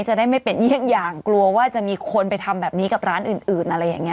จะได้ไม่เป็นเยี่ยงอย่างกลัวว่าจะมีคนไปทำแบบนี้กับร้านอื่นอะไรอย่างนี้